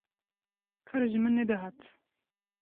kar ji min nedihat